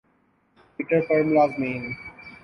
Twitter پر ملازمین